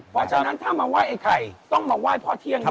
เพราะฉะนั้นถ้ามาไหว้ไอ้ไข่ต้องมาไหว้พ่อเที่ยงครับ